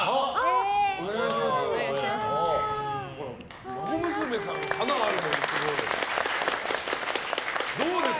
お願いします。